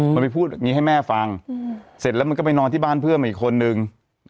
มันไปพูดอย่างนี้ให้แม่ฟังเสร็จแล้วมันก็ไปนอนที่บ้านเพื่อนอีกคนนึง